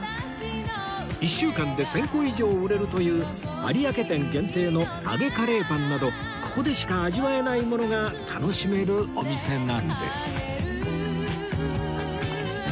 １週間で１０００個以上売れるという有明店限定の揚げカレーパンなどここでしか味わえないものが楽しめるお店なんです